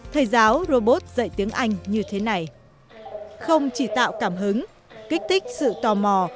thầy giáo robot dạy tiếng anh như thế này không chỉ tạo cảm hứng kích thích sự tò mò